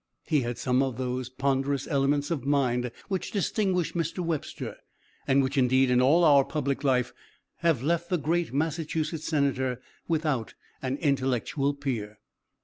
He had some of those ponderous elements of mind which distinguished Mr. Webster, and which, indeed, in all our public life have left the great Massachusetts Senator without an intellectual peer.